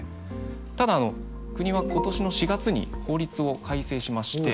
ただあの国は今年の４月に法律を改正しまして。